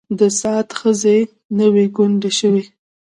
د سعد ښځې نه وې کونډې شوې.